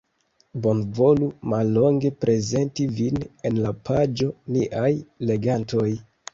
Bonvolu mallonge prezenti vin en la paĝo Niaj legantoj.